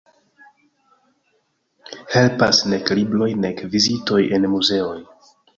Helpas nek libroj nek vizitoj en muzeoj.